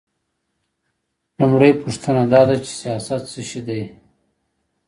لومړۍ پوښتنه دا ده چې سیاست څه شی دی؟